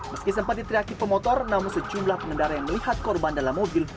meski sempat diteriaki pemotor namun sejumlah pengendara yang melihat korban dalam mobil